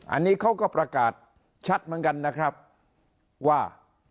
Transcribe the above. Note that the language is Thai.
อันนี้เขาก็ประกาศชัดเหมือนกันนะครับว่า